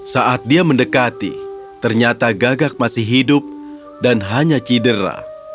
saat dia mendekati ternyata gagak masih hidup dan hanya cedera